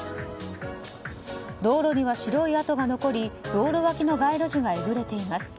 道路には白い跡が残り道路脇の街路樹がえぐれています。